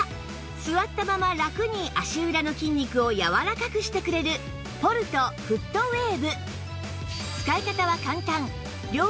座ったままラクに足裏の筋肉をやわらかくしてくれるポルトフットウェーブ